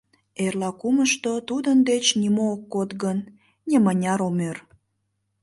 Эрла-кумышто тудын деч нимо ок код гын, нимыняр ом ӧр...»